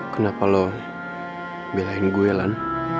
kenapa lo belain gue kan